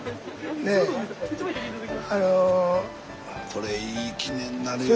これいい記念になるよ。